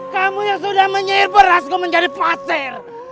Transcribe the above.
kamu yang sudah menyer berasku menjadi pasir